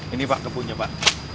ini pak kebunnya pak